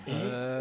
え？